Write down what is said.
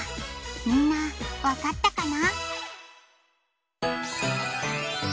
みんなわかったかな？